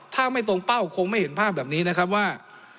ถ้าไม่ตรงเป้าคงไม่เห็นภาพแบบนี้นะครับว่า